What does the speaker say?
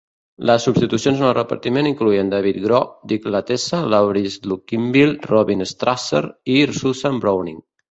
Les substitucions en el repartiment incloïen: David Groh, Dick Latessa, Laurence Luckinbill, Robin Strasser i Susan Browning.